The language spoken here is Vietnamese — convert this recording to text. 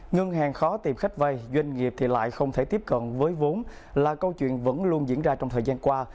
ngân hàng khó tìm khách vay doanh nghiệp thì lại không thể tiếp cận với vốn là câu chuyện vẫn luôn diễn ra trong thời gian qua